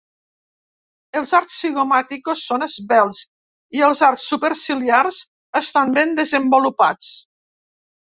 Els arcs zigomàtics són esvelts i els arcs superciliars estan ben desenvolupats.